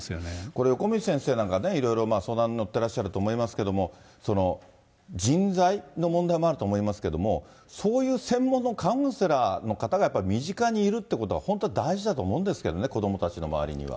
これ、横道先生なんかね、いろいろ相談乗ってらっしゃると思いますけど、人材の問題もあると思いますけども、そういう専門のカウンセラーの方がやっぱり身近にいるってことは、本当に大事だと思うんですけどね、子どもたちの周りには。